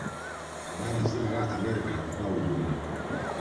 Na bara zima la Amerika kwa ujumla